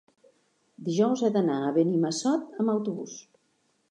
Dijous he d'anar a Benimassot amb autobús.